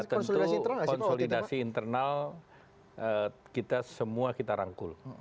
ya tentu konsolidasi internal kita semua kita rangkul